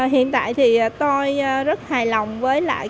hiện tại thì tôi rất hài lòng với lại